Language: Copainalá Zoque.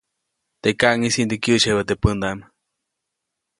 Teʼ kaʼŋis jiʼnde kyäʼsyebä teʼ pändaʼm.